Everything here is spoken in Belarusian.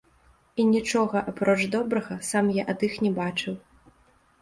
І нічога, апроч добрага, сам я ад іх не бачыў.